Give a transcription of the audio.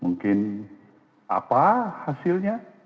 mungkin apa hasilnya